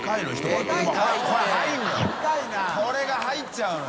任い福これが入っちゃうのよ。